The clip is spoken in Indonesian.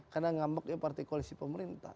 kepada partai koalisi pemerintah